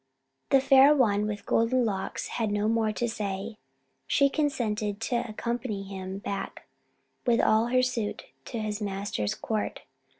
The Fair One with Golden Locks had no more to say. She consented to accompany him back, with all her suite, to his master's court.